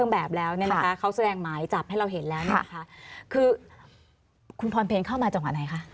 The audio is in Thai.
แบบแล้วเนี่ยนะคะเขาแสดงหมายจับให้เราเห็นแล้วเนี่ยนะคะคือคุณพรเพลเข้ามาจังหวะไหนคะ